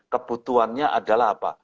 kebutuhannya adalah apa